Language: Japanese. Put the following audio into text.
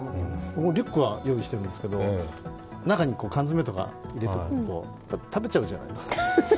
僕もリュックは用意していますけど中に缶詰とか入れておくと、食べちゃうじゃないですか。